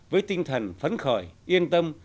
với tinh thần phấn khởi yên tâm